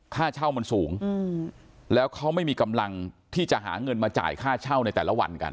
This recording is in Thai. ค่าเช่ามันสูงแล้วเขาไม่มีกำลังที่จะหาเงินมาจ่ายค่าเช่าในแต่ละวันกัน